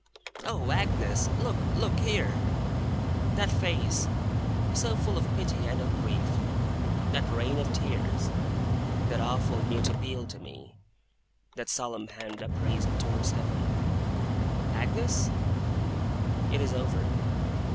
'Oh, Agnes! Look, look, here!' That face, so full of pity, and of grief, that rain of tears, that awful mute appeal to me, that solemn hand upraised towards Heaven! 'Agnes?' It is over.